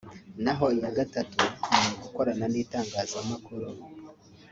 naho iya gatatu ni ugukorana n'itangazamakuru